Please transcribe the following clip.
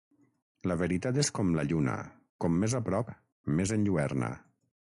La veritat és com la lluna, com més a prop, més enlluerna.